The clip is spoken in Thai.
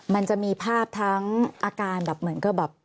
มันจะมีภาพทั้งอาการแบบเหมือนกับแบบ